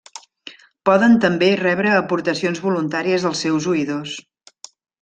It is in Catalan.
Poden també rebre aportacions voluntàries dels seus oïdors.